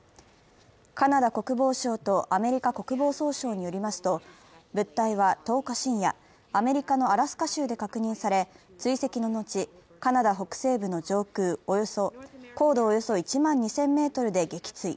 カナダ国防省とアメリカ国防総省によりますと、物体は１０日深夜、アメリカのアラスカ州で確認され追跡の後、カナダ北西部の上空、高度およそ１万２０００ｍで撃墜。